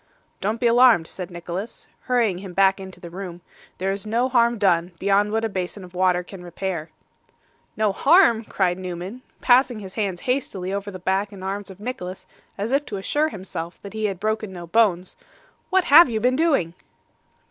'Don't be alarmed,' said Nicholas, hurrying him back into the room. 'There is no harm done, beyond what a basin of water can repair.' 'No harm!' cried Newman, passing his hands hastily over the back and arms of Nicholas, as if to assure himself that he had broken no bones. 'What have you been doing?